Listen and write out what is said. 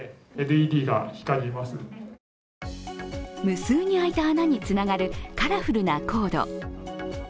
無数に開いた穴につながるカラフルなコード。